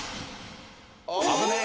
危ねえ！